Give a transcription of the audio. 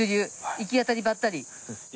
『生き当たりばったり』。